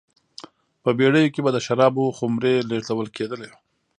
په بېړیو کې به د شرابو خُمرې لېږدول کېدلې